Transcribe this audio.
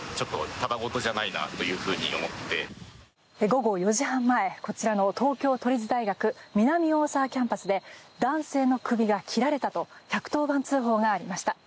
午後４時半前こちらの東京都立大学南大沢キャンパスで男性の首が切られたと１１０番通報がありました。